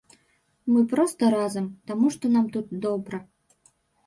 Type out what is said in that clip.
Мы проста разам, таму што нам тут добра.